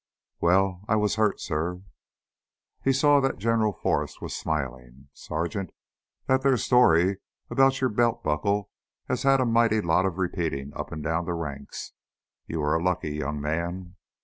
"Well, I was hurt, suh." He saw that General Forrest was smiling. "Sergeant, that theah story about your belt buckle has had a mightly lot of repeatin' up and down the ranks. You were a lucky young man!"